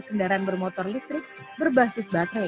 kendaraan bermotor listrik berbasis baterai